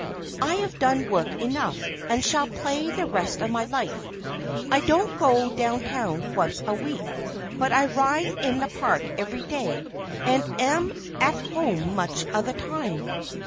"I have done work enough, and shall play the rest of my life. I don't go down town once a week; but I ride in the Park every day, and am at home much of my time."